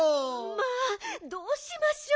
まあどうしましょう。